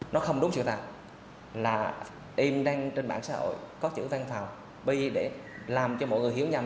nó không đúng sự thật là em đang trên mạng xã hội có chữ văn phòng p để làm cho mọi người hiểu nhầm